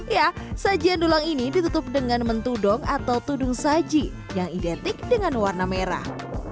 ya sajian dulang ini ditutup dengan mentudong atau tudung saji yang identik dengan warna merah